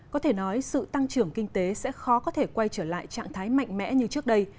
có thể nói sự tăng trưởng kinh tế sẽ khó có thể quay trở lại trạng thái mạnh mẽ như trước đây